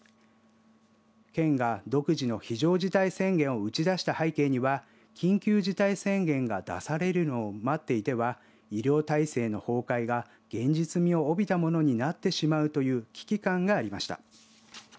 県が独自の非常事態宣言を打ち出した背景には緊急事態宣言が出されるのを待っていては医療体制の崩壊が現実味を帯びたものになってしまうという危機感がありました。